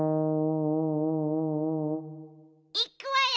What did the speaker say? いっくわよ。